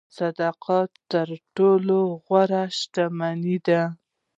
صداقت تر ټولو غوره شتمني ده.